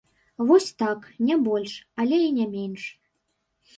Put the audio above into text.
Вось так, не больш, але і не менш.